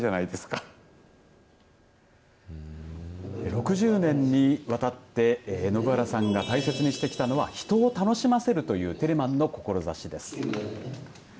６０年にわたって延原さんが大切にしてきたのは人を楽しませるというテレマンの志です。